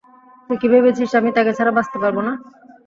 তুই কি ভেবেছিস আমি তাকে ছাড়া বাঁচতে পারবো না?